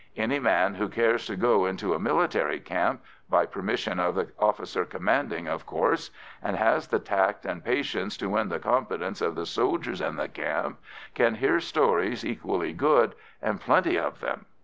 Any man who cares to go into a military camp by permission of the officer commanding, of course and has the tact and patience to win the confidence of the soldiers in the camp, can hear stories equally good, and plenty of them.